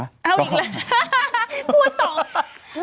เอาอีกแล้วพูดต่อ